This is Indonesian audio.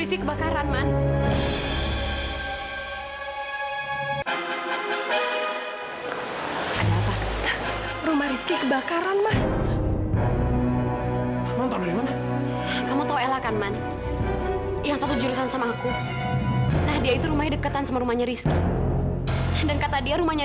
sampai jumpa di video selanjutnya